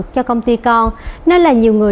cho công ty con nên là nhiều người